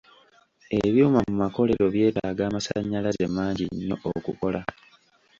Ebyuma mu makolero byetaaga amasannyalaze mangi nnyo okukola.